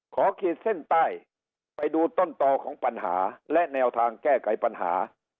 ขีดเส้นใต้ไปดูต้นต่อของปัญหาและแนวทางแก้ไขปัญหา